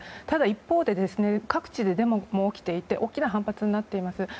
ただ一方で、各地でデモも起きていて大きな反発になっています。